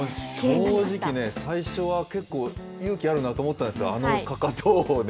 正直ね、最初は結構、勇気あるなと思ったんですわ、あのかかとをね。